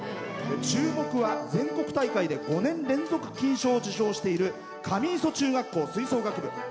注目は全国大会で５年連続金賞を受賞している上磯中学校吹奏楽部